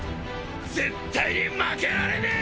絶対に負けられねえ！